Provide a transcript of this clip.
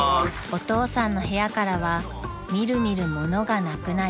［お父さんの部屋からは見る見る物がなくなり］